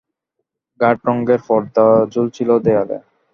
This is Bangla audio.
গাঢ় রঙের পরদা ঝুলছিল দেয়ালে।